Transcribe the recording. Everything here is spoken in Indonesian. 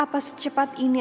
apa secepat ini